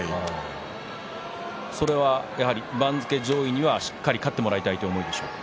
それはやはり番付上位にはしっかり勝ってもらいたいという思いですか。